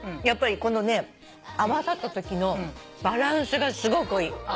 やっぱりこのね合わさったときのバランスがすごくいい。